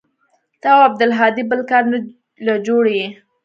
ته او عبدالهادي بل كار له جوړ يې.